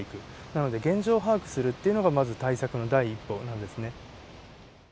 なので現状把握するっていうのがまず対策の第一歩なんですね。